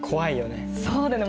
そうだよね。